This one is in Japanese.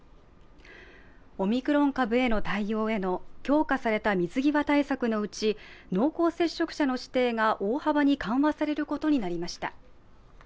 オミクロン株への対応への強化された水際対策のうち、濃厚接触者の指定が大幅に緩和されることになりました。